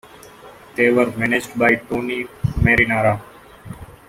They were managed by Tony Marinara.